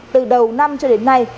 từ đầu năm cho đến nay